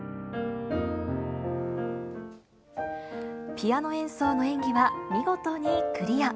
ピアノ演奏の演技は見事にクリア。